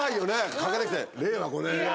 駆けてきて「令和５年」。